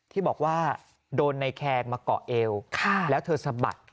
ที่บอกว่าโดนในแคงมาเกาะเอวแล้วเธอสะบัด